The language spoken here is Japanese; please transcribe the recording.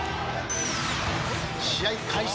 試合開始